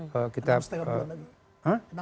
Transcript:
enam setengah bulan